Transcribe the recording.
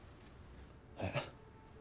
えっ？